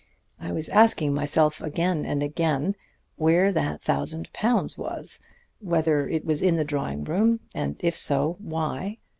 I was asking myself again and again where that thousand pounds was; whether it was in the drawing room; and if so, why.